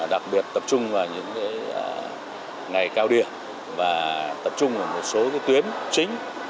đặc biệt tập trung vào những cái ngày cao điểm và tập trung vào một số cái tuyến chính